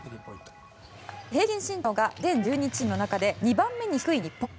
平均身長が全１２チームの中で２番目に低い日本。